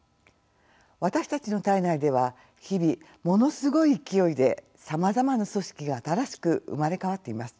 私たちの体内では日々ものすごい勢いでさまざまな組織が新しく生まれ変わっています。